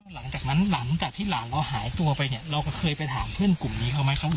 หลังจากที่หลานเราหายตัวไปเนี่ยเราก็เคยไปถามเพื่อนกลุ่มนี้เขาไหม